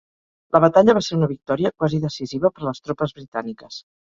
La batalla va ser una victòria quasi decisiva per les tropes britàniques.